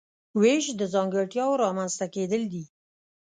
وېش د ځانګړتیاوو رامنځته کیدل دي.